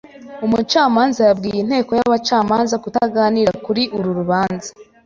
Umucamanza yabwiye inteko y'abacamanza kutaganira kuri uru rubanza.